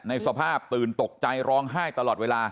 สภาพตื่นตกใจร้องไห้ตลอดเวลา